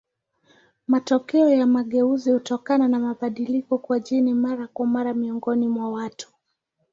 Matokeo ya mageuzi hutokana na mabadiliko kwa jeni mara kwa mara miongoni mwa watu.